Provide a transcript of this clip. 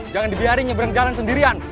jangan dibiarin nyebrang jalan sendirian